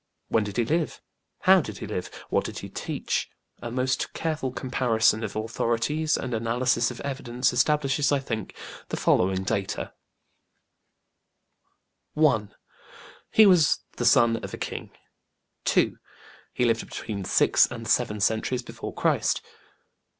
When did he live? How did he live? What did he teach? A most careful comparison of authorities and analysis of evidence establishes, I think, the following data: 1. He was the son of a king. 2. He lived between six and seven centuries before Christ.